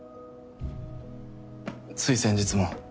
つい先日も。